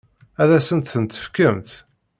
Ad asent-ten-tefkemt?